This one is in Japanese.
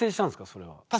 それは。